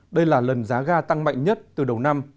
đây là lần giá ga tăng mạnh nhất từ đầu năm